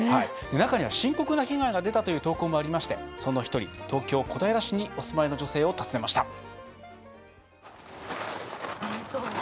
中には深刻な被害が出たという投稿もありましてその１人、東京・小平市にお住まいの女性を訪ねました。